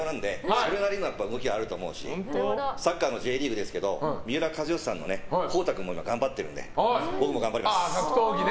それなりに動きはあると思うしサッカーのＪリーグですけど三浦知良さんのコウタ君も頑張ってるので僕も頑張ります。